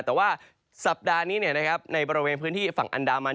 แต่ว่าสัปดาห์นี้ในบริเวณพื้นที่ฝั่งอันดามัน